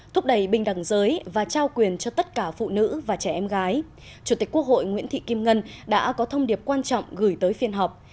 thúc đẩy bình đẳng giới và trao quyền cho tất cả phụ nữ và trẻ em gái chủ tịch quốc hội nguyễn thị kim ngân đã có thông điệp quan trọng gửi tới phiên họp